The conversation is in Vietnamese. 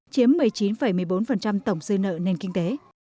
chiếm một mươi chín một mươi bốn tổng dư nợ nền kinh tế